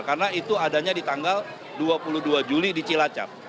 karena itu adanya di tanggal dua puluh dua juli di cilacap